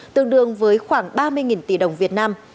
tương đương với khoảng ba mươi tỷ đồng việt nam